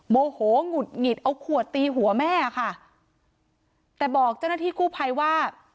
โมโหหงุดหงิดเอาขวดตีหัวแม่ค่ะแต่บอกเจ้าหน้าที่กู้ภัยว่า